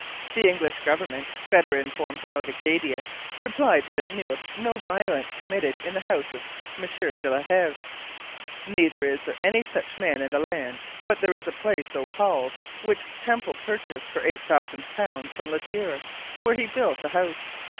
The English government, better informed about Acadia, replied that it knew of no violence committed in the house of M. de la Heve. 'Neither is there any such man in the land, but there is a place so called, which Temple purchased for eight thousand pounds from La Tour, where he built a house.